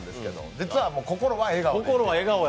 実は心は笑顔で。